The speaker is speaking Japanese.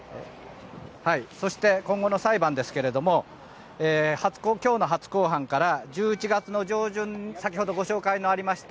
そして今後の裁判ですが今日の初公判から１１月上旬先ほど紹介ありました